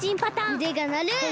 うでがなる。